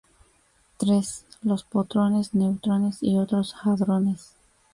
Tres, los protones, neutrones y otros hadrones.